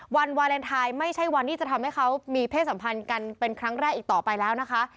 วันวาเลนไทยไม่ใช่วันที่จะทำให้เขามีเพศสัมพันธ์กันเป็นครั้งแรกอีกต่อไปแล้วนะคะ